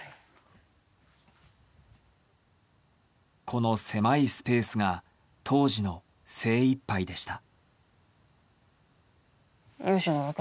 この狭いスペースが当時の精いっぱいでした。